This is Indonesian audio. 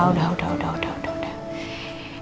udah gapapa udah udah udah